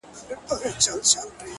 هره لاسته راوړنه لومړی خیال و